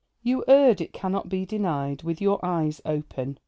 You erred, it cannot be denied, with your eyes open.